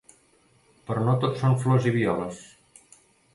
Però no tot són flors i violes.